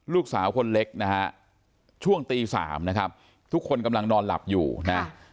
ลูกสาวคนเล็กนะฮะช่วงตี๓นะครับทุกคนกำลังนอนหลับอยู่นะ